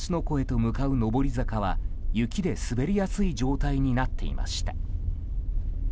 湖へと向かう上り坂は雪で滑りやすい状態になっていました。